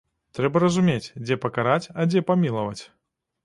Трэба разумець, дзе пакараць, а дзе памілаваць.